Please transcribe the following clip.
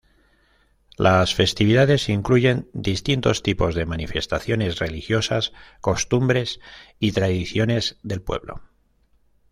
Las festividades incluyen distintos tipos de manifestaciones religiosas, costumbres y tradiciones del pueblo.